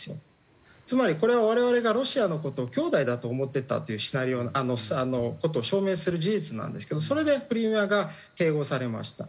つまりこれは我々がロシアの事を兄弟だと思ってたという事を証明する事実なんですけどそれでクリミアが併合されました。